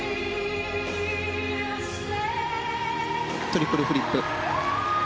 トリプルフリップ。